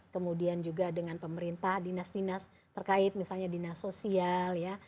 kemudian juga dengan pemerintah dinas dinas terkait misalnya dinas sosial ya